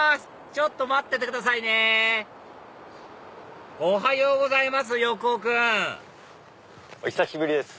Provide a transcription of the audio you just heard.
ちょっと待っててくださいねおはようございます横尾君お久しぶりです。